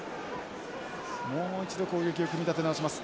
もう一度攻撃を組み立て直します。